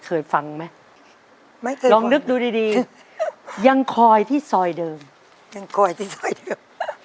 เคยฟังไหมไม่เคยลองนึกดูดีดียังคอยที่ซอยเดิมยังคอยที่ซอยเดิม